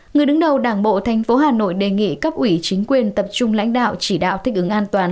người đứng đầu đảng bộ tp hà nội đề nghị cấp ủy chính quyền tập trung lãnh đạo chỉ đạo thích ứng an toàn